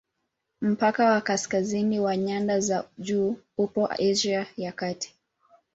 Mpaka wa kaskazini wa nyanda za juu upo Asia ya Kati.